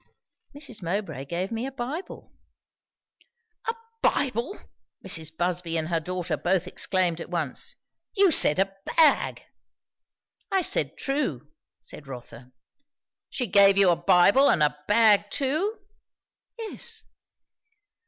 "Mrs. Mowbray gave me a Bible." "A Bible!" Mrs. Busby and her daughter both exclaimed at once; "you said a bag?" "I said true," said Rotha. "She gave you a Bible and a bag too?" "Yes."